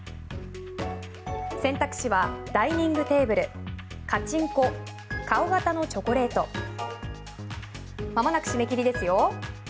選択肢はダイニングテーブルカチンコ顔型のチョコレートまもなく締め切りですよ。